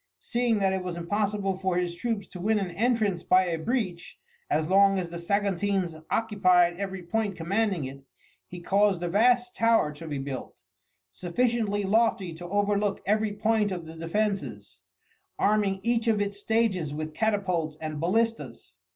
Seeing that it was impossible for his troops to win an entrance by a breach, as long as the Saguntines occupied every point commanding it, he caused a vast tower to be built, sufficiently lofty to overlook every point of the defences, arming each of its stages with catapults and ballistas.